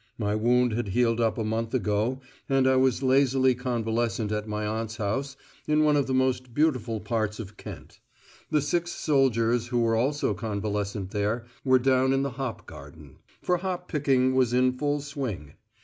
My wound had healed up a month ago, and I was lazily convalescent at my aunt's house in one of the most beautiful parts of Kent. The six soldiers who were also convalescent there were down in the hop garden. For hop picking was in full swing.